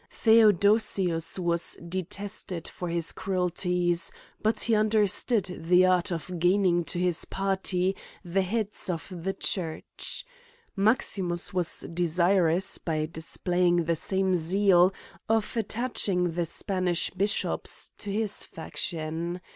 The odosius was detested for his cruelties ; but he un derstood the art of gaining to his party the heads of the church. Maximus was desirous, by displaying the same zeal, of attaching the Spanish bishops to his faction.